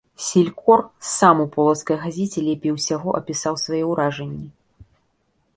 Селькор сам у полацкай газеце лепей усяго апісаў свае ўражанні.